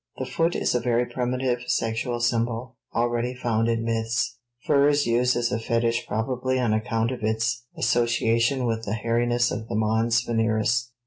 The foot is a very primitive sexual symbol already found in myths. Fur is used as a fetich probably on account of its association with the hairiness of the mons veneris.